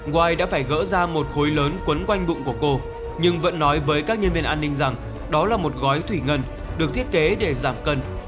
wi đã phải gỡ ra một khối lớn quấn quanh bụng của cô nhưng vẫn nói với các nhân viên an ninh rằng đó là một gói thủy ngân được thiết kế để giảm cân